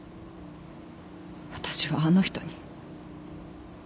私はあの人に。